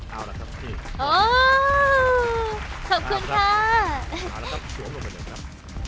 เอาล่ะครับพี่อ๋อขอบคุณค่ะเอาละครับสวมลงไปเลยครับ